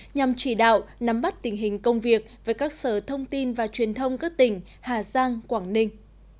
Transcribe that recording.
nhằm chỉ đạo nắm bắt tình hình công việc với các sở thông tin và truyền thông các tỉnh hà giang quảng ninh